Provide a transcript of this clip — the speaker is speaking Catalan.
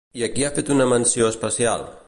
I a qui ha fet una menció especial?